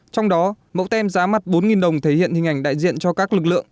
trong đó mẫu tem giá mặt bốn đồng thể hiện hình ảnh đại diện cho các lực lượng